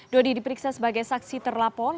dodi diperiksa sebagai saksi terlapor